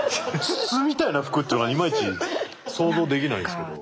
筒みたいな服っていうのがいまいち想像できないんですけど。